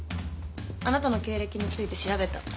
あなたの経歴について調べた。